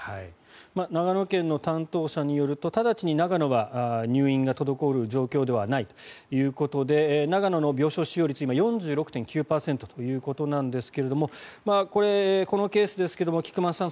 長野県の担当者によるとただちに長野は入院が滞る状況ではないということで長野の病床使用率は４６．９％ということですがこのケースですが菊間さん